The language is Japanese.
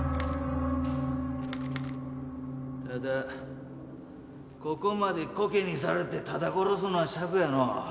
ただここまでコケにされてただ殺すのは癪やのう。